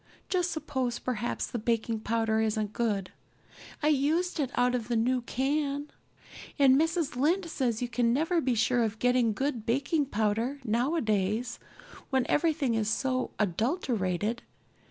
Just suppose perhaps the baking powder isn't good? I used it out of the new can. And Mrs. Lynde says you can never be sure of getting good baking powder nowadays when everything is so adulterated.